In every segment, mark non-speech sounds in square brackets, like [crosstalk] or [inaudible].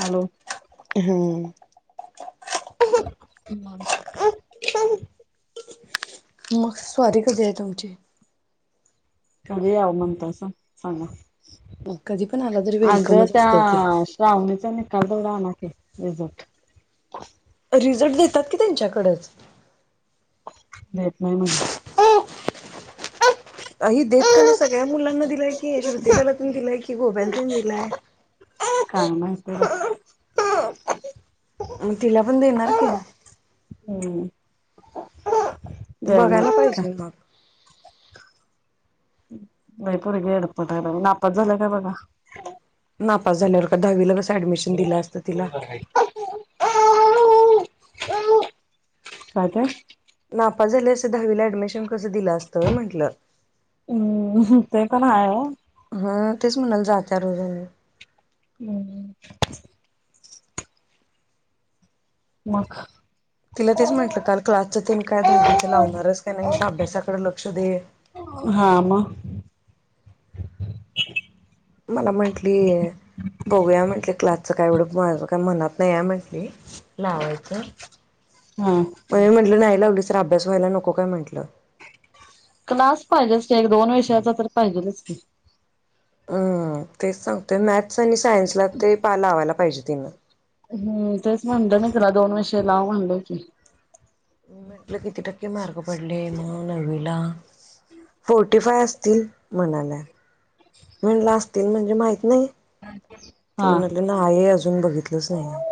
Hello हम्म ह ते मग स्वारी कधी आहे तुमची कर याव म्हणत असं सांग कधी पण आला तरी अगं वेलकमच असतय की. त्या श्रावणीच नाही कल तोड आण क रजट रिझ्ट देतात की त्यांच्याकडच देत नाही म्हणा हही देत का नाही सगळ्या मुलांना दिलाय की श्रुती कालातून दिलाय की कि गोबल तन दिलाय काय माहिती म तिला पण देणार की हम्म जय बघायला नाट का पाहिजे मग. नाही परगे हडपट नापात झालं काय बघा ना पास झाल्यावर का दहावीला कस ऍडमिशन दिलं असत तिला काता नाफ झाली असं दहावीला ऍडमिशन कसं दिलं असतं म्हंटलं हम्म ते पण आहे. हा तेच म्हणाल जात रोज म हम्म मग तिला तेच म्हंटलं काल क्लासच तीन काय दहावीच लावणारच का नाही अभ्यासाकडे लक्ष दे. हा म मला म्हंटली बघूया म्हटले क्लासचं काय एवढं माझ काय मनात नाही या आहे म म्हटली लावायच हा म्हण म्हटलं नाही लावली. अभ्यास व्हायला नको काय म्हटलं क्लास पाहिजेच नाही एक दोन विषयाचा तर पाहिजेच नाही हम्म तेच सांगतय मॅथ्स आणि सायन्सला ते पा लावायला पाहिजे तिनं हम्म तेच म्हणत ना तुला दोन वर्षे लाव म्हणलं की मी म्हटलं किती टक्के मार्ग पडले म नवीला फोर्टी फाय असतील म्हणाला म्हणला असतील म्हणजे माहित नाही ते हा म्हणाले ना आय अजून बघितलंच नाही आहे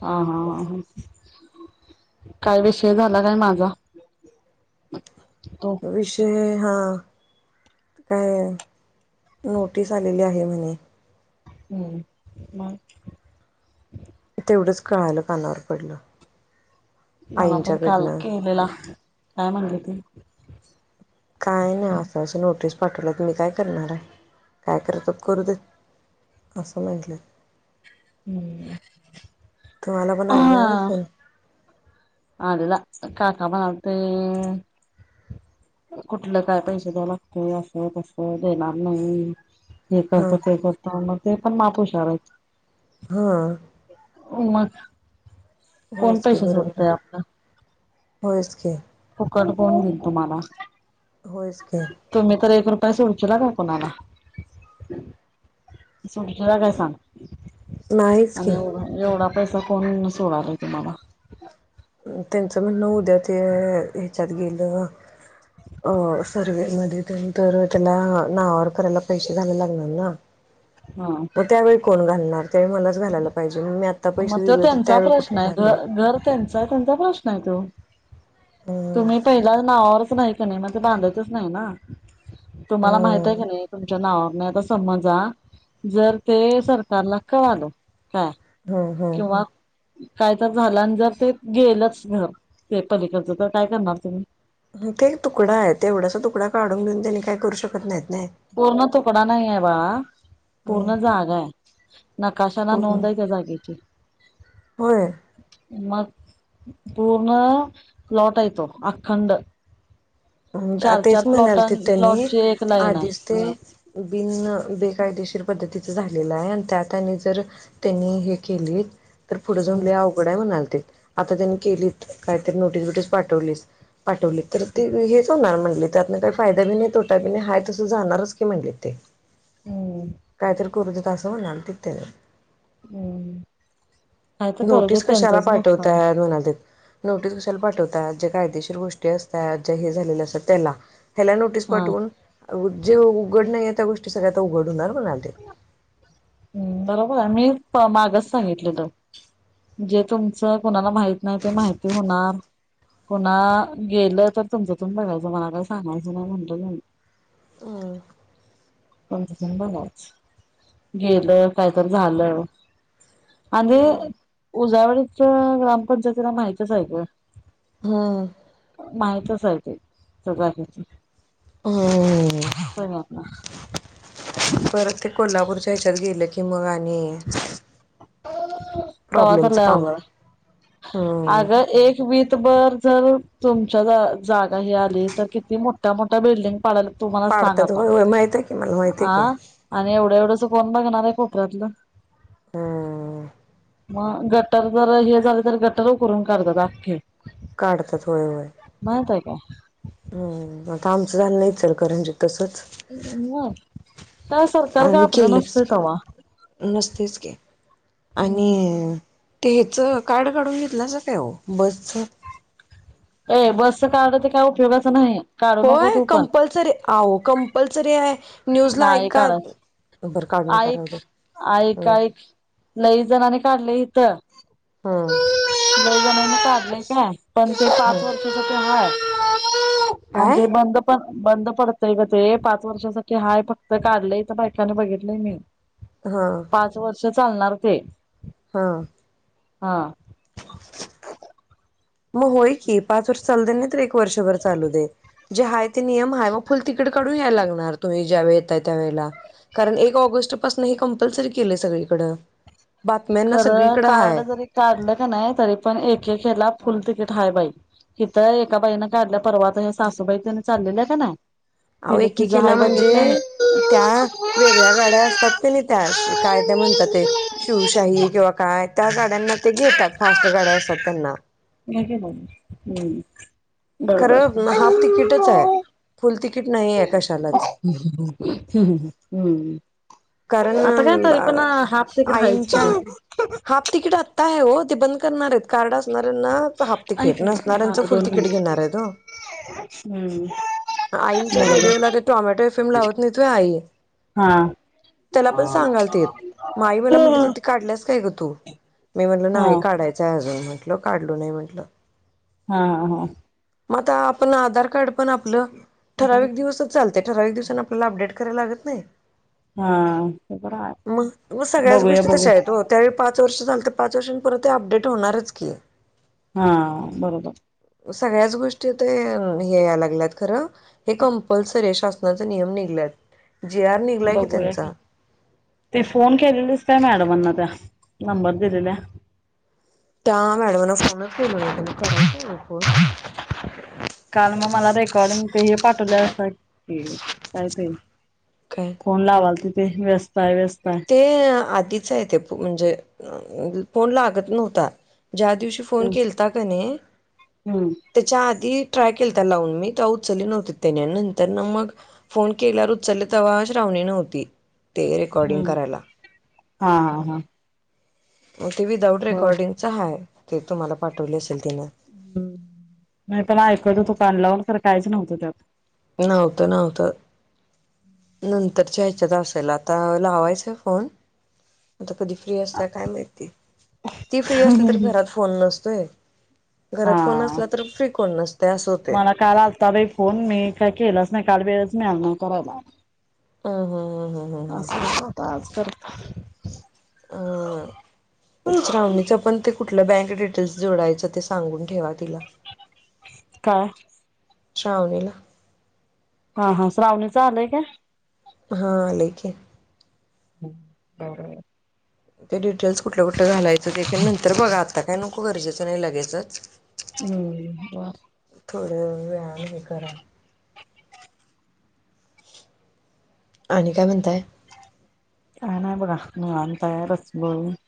हा हा हा हा काय विषय झाला काय माझा तो अविष्य हा काय नोटीस आलेली आहे म्हणे हम्म मग तेवढंच कळायलं कानावर पडलं मला पण काल आईंच्याकडनं केलेला काय म्हणते त काय ना असं असं नोटीस पाठवलं तर मी काय करणार आहे काय करत करू दे असल लाहिले तुम्हाला पण आला होईल फोन अडला काकापा नत कुठलं काय पैसे द्याव लागतय असं तस देणार नाही. हे हां करतो, ते करतो, मग ते पण माप हुशार हायेत. हं ओमच् होयच की, बरोबर आहे, होयच की. [unintelligible] घेईल तुम्हाला. होयस की काय सुंचाला घेऊन कोण आला? सुंचाला काय सांग? नाहीच आणि की एव एवढा पैसा कोण सोडला आहे तुम्हाला? त्यांचं म्हणणं उद्या ते ह्याच्यात गेलं अं सत [unintelligible] ते नंतर त्यांला नावावर करायला पैसे नाही लागणार ना? हा मग त्यावेळी कोण घालणार? ते मलाच घालायला पाहिजे [unintelligible] मग तो दिले तर त्यांचा त्यावेळी कुठले प्रश्न आहे, घ घालू घर त्यांच तो त्यांचा प्रश्न आहे तो, हम्म तुम्ही पहिला नावावर नाही का नाही, मला बांधायचंच नाही ना, तुम्हाला माहित हम्म आहे की नाही, तुमच्या नावावर नाय तर सम्मजा, जर ते सरकारला कळालं, काय हम्म हम्म किंवा काय तरी झालं आणि जर ते गेलंच घर, ते पलिकडचं, तर काय करणार तुम्ही? ते एक तुकडा आहे, तेवढासा तुकडा काढून घेऊन त्यांनी काही करू शकत नाहीत. नाही. पूर्ण तुकडा नाही आहे बाळा. ह पूर्ण जागा आहे. नकाशाला पूर्ण नोंद आहे त्या जागेची. होय मग पूर्ण प्लाॅट आहे तो, अखंड. अं आ चार तेच चार म्हणालं प्लॉटां ते त्यांनी, प्लॉटची एक लाईन आहे आधीच ते हा. बिन्न बे कायदेशीर पद्धतीच झालेलं आहे आणि त्या त्यांनी जर त्यांनी हे केली तर पुढे जाऊन हम्म लय अवघड हाय म्हणाल ते. आता त्यांनी केलीत, काहीतरी नोटीस बिटीस पाठवलीस, पाठवली तर ते वे हेच होणार म्हणले, त्यातन काही फायदा बी नाही, तोटा बी नाही, आहे तसं जाणारच की म्हणले ते. काहीतरी करू तिथे, असं म्हणाले तिथ्थे. हम्म काय तर करू दे नोटीस कशाला त्यांचंच नुकसान पाठवताय म्हणालेत, नोटीस कशाला पाठवताय जे? कायदेशीर गोष्टी असतात, ज्या हे झालेल्या असतात त्याला ह्याला नोटीस हा पाठवून, उ जे उघ्घड नाही आहेत त्या गोष्टी सगळ्या आता उघड होणार म्हणाले ते. हं बरोबर, मी मागचं सांगितलं होत. जे तुमचं कोणाला माहित नाही ते, माहिती होणार. कुणा गेलं तर तुमचं, तुम्ही बघायचं, मला काय सांगायचं नाही म्हटलं मी. हम्म त्यांचं त्यांनी बघायचं. गेलं, काहीतरी झालं? आणि हम्म. उजावळीचं ग्रामपंचायतीला माहितचं आहे की. हं माहितचं आहे की, [unintelligible] हो तरी आपला परत ते कोल्हापूरच्या ह्याच्यात गेले की, मग आणि तर प्रॉब्लेमचं भरलंय काम अवघ, आहे. हम्म अग एक वीतभर जर तुमच्या जा जागा हे आलीय, तर किती मोठ्या मोठ्या बिल्डिंग कळलं, तुम्हालाच सांगा पाडतात आता. होय होय माहित आहे की मला माहित आहे की. आं आणि एवढं एवढंस कोण बघणार आहे, कोपऱ्यातलं? हो मग गटर जर हे झाले तर गटर उ करून काढतात आख्खे काट तर थोय होय ओके हम आता आमचं झालं नाही च करंजी काय सरकार का आम्ही आपलं नसत केलंच तेव्हा नसतेच घ आणि ते ह्याच कार्ड काढून घेतलंच काय हो बसच ए बसच काढण ते काय उपयोगाचं नाही काढू नको होय तू पण कंपल्सरी आो कंपल्सरी आहे न्यूज ला नाही ऐका काढत बरं काढू नका राहू ऐक दे ऐक हम्म ऐक लई जणने काढले इथं हा बै जणने काढले काय पण ते हम्म पाात वर्षाच ते हा आहेत आणि काय? ते बंद पण बंद पडतय ग ते पाच वर्षासाठी क हाय फक्त काढलंय तर बायकाने बघितलंय मी हा अ चालणार ते हा हा मग होय की पाच वर्ष चालत नाही तर एक वर्षभर चालू दे जे हय ते नियम ह मग फुल तिकड काढून याला लागणार तुम्ही ज्यावेळेस कारण पा कप के सकड खर कारड जरी काढलं का नाही तरी पण एकेला फुल तिकीट हाय बाई इिथं एका बाईनें काढल्या परवात हे सासूबाई त्याने चाललेल्या आहे का ना अ एकी केला म्हणजे त्या वेगळ्या गाड्या असतात क नाही त्या काय त्या म्हणतात ते शिवशाही किंवा काय त्या गाड्यांना ते घेतात फास्ट गाड्या असतात त्यांना ब हम् बरोबर खरं हाफ तिकीटच आहे फुल तिकीट नाही आहे कशालाच ह् ह हम्म आता काय कारण तरी पण हाफ तिकीट हायच की आईंच्या गं. हाफ तिकीट आत्ता आहे होत बंद करणार आहेत कार्ड असणाऱ्यांना हाफ ऐक तिकीट ना नसऱ्यांच झालं फुल दोन तिकीट मिनिट घेणार आहेत हो हम्म आईंच्या रेडिओला बरोबर ते टॉमॅटो इफिम लावत नाही त आई हा. त्याला पण सांगाल ते म आई मला हा म्हटलं तिथे काढल्यास काय ग तू मी म्हटल हा नाही काढायचंय अजून म्हटल काढलो नाही म्हटलं हा हा हा. मग आता आपण आधार कार्ड पण आपलं ठराविक दिवसच चालत त्या ठरावीक दिवसान आपल्याला अपडेट करायला लागत नाही हा ते पण आहे. मग मग सगळ्याच बघूया गोष्टी तशा बघूया आहेत ओ त्यावेळी पाच पाच वर्ष झाल तर पाच वर्षान परत ते अपडेट होणारच की हा बरोबर सगळ्याच गोष्टी ते हे याय लागल्यात खरं हे कंपल्सरी शासनाचा नियम निघालाय [inaudible] बघूया ते फोन केलेलेच त्या मॅडमांना [unintelligible] नंबर दिलेला. त्या मॅडमना फोनच [unintelligible] काल मग मला रेकॉर्डिंग ते हे [unintelligible] काय? फोन लावाल तिथे व्यस्त आहे व्यस्त आहे. ते आधीच आहे ते म्हणजे फोन ला लागत नव्हता ज्या दिवशी फोन हम्म केलता की नाय हम्म. त्याच्या आधी ट्राय केलता लावून मी तेव्हा उचलली नव्हती त्यानी नंतर ना मग फोन केल्यावर उचलले तेव्हा [unintelligible] नव्हती ते रेकॉर्डिंग हम्म करायला हा हा हा. मग ते विदाउट बर रेकॉर्डिंग च आहे ते तुम्हाला पाठवले असेल तिनं. हम्म नाही पन ऐकत होती कान लावून तर काहीच नव्हतं त्यात नव्हतं नव्हतं. नंतरच्या ह्याच्यात असल, आता लावायचंय फोन आता कधी फ्री असत काय माहिती. ती फ्री असली तर घरात फोन नसतोय घरात फोन हा, असला तर फ्री कोण नसतय असं होतय. मला काय लागत बाई फोन मी काय केलाच नाही काल वेळच मिळाव करायला अ ह ह ह ह असं होत. आज तर अ श्रावणीच पण ते कुठलं बँक डिटेल्स जोडायचं ते सांगून ठेवा तिला काय? श्रावणीला हा हा श्रावणीच आलंय का? हा आलय की हम्म बरं आहे. ते डिटेल्स कुठलं कुठलं घालायचं ते की नंतर बघा आता काय नको गरजेचं नाही लगेचच हम्म बर थोडे [unintelligible] हे करा आणि काय म्हणताय? काय नाही बघा [unintelligible] तयारच [unintelligible]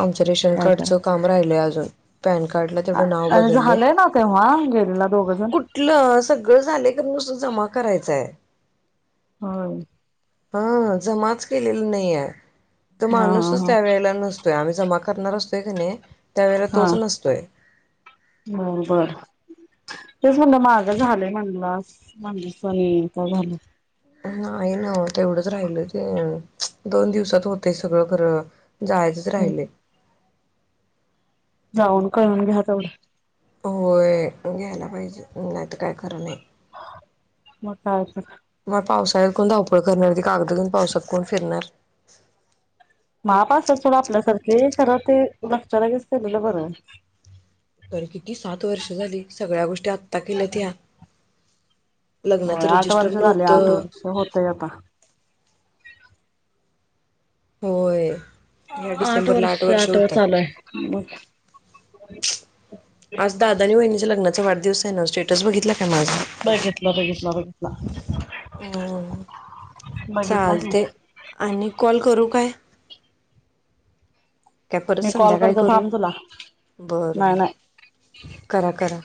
आमच्या रेशन कार्डचं काम राहिलंय अजून पॅन कार्ड तेवड नाव करायचं आणि बदललंय, झालंय ना तेव्हा गेलेला दोघ जण कुठलं सगळ झालंय ते नुसतं जमा करायचय हो. हा जमाच केलेली नाही आहे तो हा माणूसच हा हा त्यावेेळेला नस तो ज्यावेळेला जमा करणार असतोय का नाय त्यावेळेला हा तोच नसतोय बर बर तेच म्हणलं माझं झालंय म्हणला माझं सहीच झालं नाही ना तेवढंच राहिल ओ, दोन दिवसात होतंय सगळं खर जायचच राहिलय जाऊन काढून घ्या तेवढं होय घ्यायला पाहिजे नाही तर काय खर नाही म काय तर [unintelligible] कोण धावपळ करणार होते कागद घेऊन पावसात कोण फिरणार महापास सड आपल्यासारखे खरं ते लक्षलागच केलेलं बरं तर किती सात वर्ष झाली सगळ्या गोष्टी आत्ता केल्यात या होय आठ वर्ष झाले आठ वर्ष होतय आता होय ह्या आठ डिसेंबरला वर्ष आठ व होतात. चालूय मग आज दादा आणि वहिणीच्या लग्नाचा वादवस आहे ना स्टेटस बघितला काय माझा बघितलं बघितलं बघितलं हम्म बघितला की चालते आणि कॉल करू काय काय परत मी कॉल संध्याकाळी करतो करू थांब तुला बर नाही बर नाही करा करा